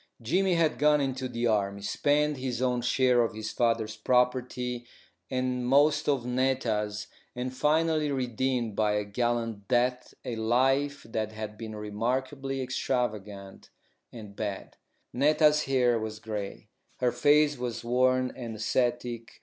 Jimmy had gone into the army, spent his own share of his father's property and most of Netta's, and finally redeemed by a gallant death a life that had been remarkably extravagant and bad. Netta's hair was grey; her face was worn and ascetic.